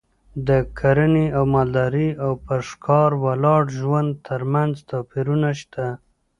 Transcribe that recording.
د کرنې او مالدارۍ او پر ښکار ولاړ ژوند ترمنځ توپیرونه شته